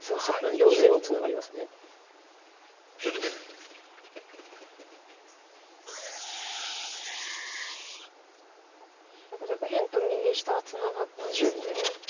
４線をツナがります。ということで右辺と右下はツナがったんですね。